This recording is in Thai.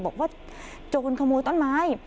บอกว่าโจรขโมยต้นไม้